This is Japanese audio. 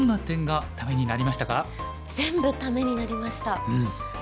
全部ためになりました。